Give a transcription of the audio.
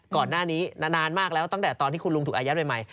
ก่อนหน้านี้นานมากแล้วตั้งแต่ตอนที่คุณลุงถูกอายัดใหม่